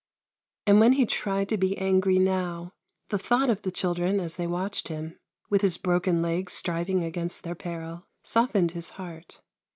And when he tried to be angry now, the thought of the children as they watched him, with his broken leg striving against their peril, softened his heart.